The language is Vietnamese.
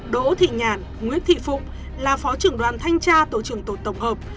đỗ thị nhàn nguyễn thị phụng là phó trưởng đoàn thanh tra tổ trưởng tổ tổng hợp